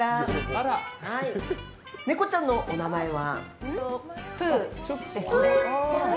ネコちゃんのお名前は？